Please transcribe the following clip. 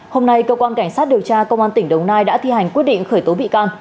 hôm nay cơ quan cảnh sát điều tra công an tỉnh đồng nai đã thi hành quyết định khởi tố bị can